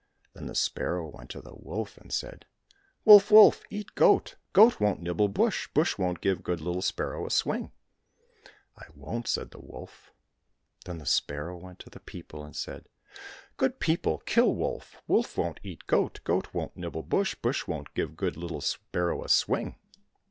— Then the sparrow went to the wolf and said, " Wolf, wolf, eat goat, goat won't nibble bush, bush won't give good little sparrow a swing." —" I won't !" said the wolf. — Then the sparrow went to the people and said, " Good people, kill wolf, wolf won't eat goat, goat won't nibble bush, bush won't give good Httle sparrow a swing."